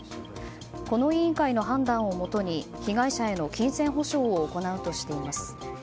この委員会の判断をもとに被害者への金銭補償を行うとしています。